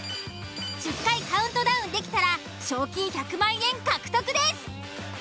１０回カウントダウンできたら賞金１００万円獲得です。